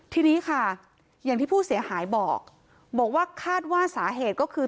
ทีนี้ค่ะอย่างที่ผู้เสียหายบอกบอกว่าคาดว่าสาเหตุก็คือ